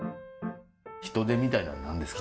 ヒトデみたいなの何ですか？